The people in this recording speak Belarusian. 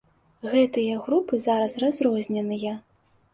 Гэтыя групы зараз разрозненыя.